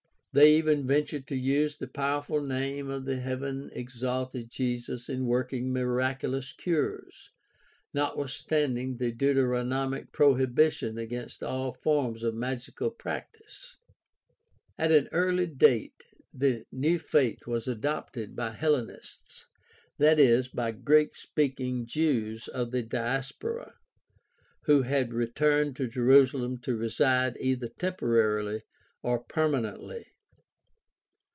They even ventured to use the powerful name of the heaven exalted Jesus in working miraculous cures, notwithstanding the Deuteronomic prohibition against all forms of magical practice (Deut. 18:9 14). At an early date the new faith was adopted by Hellenists, that is, by Greek speaking Jews of the Diaspora who had returned to Jerusalem to reside either temporarily or perma nently.